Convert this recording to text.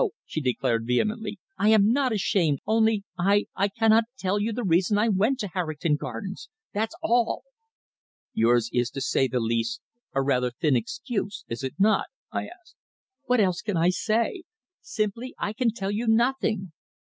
she declared vehemently. "I am not ashamed only I I cannot tell you the reason I went to Harrington Gardens. That's all." "Yours is, to say the least, a rather thin excuse, is it not?" I asked. "What else can I say? Simply I can tell you nothing."